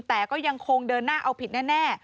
แต่ก็ยังคงเดินหน้าเอาผิดแน่